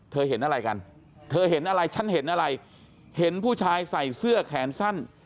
เห็นอะไรกันเธอเห็นอะไรฉันเห็นอะไรเห็นผู้ชายใส่เสื้อแขนสั้น